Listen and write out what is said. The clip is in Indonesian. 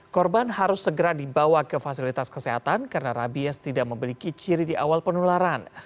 korban harus segera dibawa ke fasilitas kesehatan karena rabies tidak memiliki ciri di awal penularan